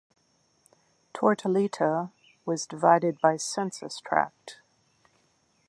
Tortolita was divided by Census tract.